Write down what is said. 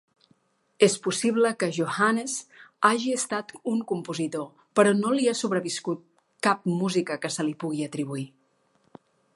És possible que Johannes hagi estat un compositor, però no li ha sobreviscut cap música que se li pugui atribuir.